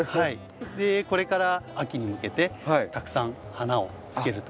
これから秋に向けてたくさん花をつけると思います。